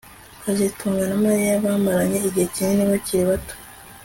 kazitunga na Mariya bamaranye igihe kinini bakiri bato